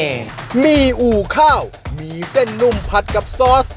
มีอู่ข้าวมีเส้นนุ่มผัดกับซอส